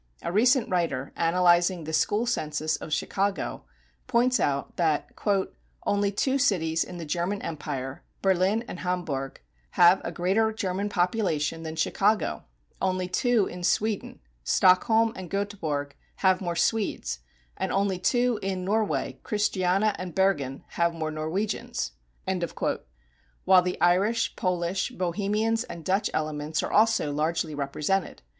A recent writer, analyzing the school census of Chicago, points out that "only two cities in the German Empire, Berlin and Hamburg, have a greater German population than Chicago; only two in Sweden, Stockholm and Göteborg, have more Swedes; and only two in Norway, Christiana and Bergen, have more Norwegians"; while the Irish, Polish, Bohemians, and Dutch elements are also largely represented.